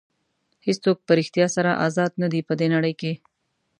هېڅوک په ریښتیا سره ازاد نه دي په دې نړۍ کې.